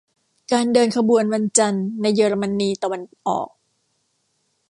การเดินขบวนวันจันทร์ในเยอรมนีตะวันออก